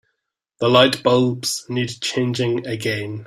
The lightbulbs need changing again.